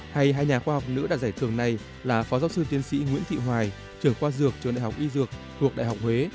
hay hai nhà khoa học nữ đạt giải thưởng này là phó giáo sư tiến sĩ nguyễn thị hoài trưởng khoa dược trường đại học y dược thuộc đại học huế